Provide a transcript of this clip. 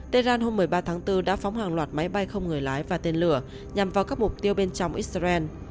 tehran hôm một mươi ba tháng bốn đã phóng hàng loạt máy bay không người lái và tên lửa nhằm vào các mục tiêu bên trong israel